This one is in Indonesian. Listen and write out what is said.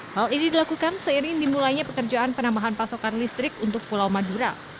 hal ini dilakukan seiring dimulainya pekerjaan penambahan pasokan listrik untuk pulau madura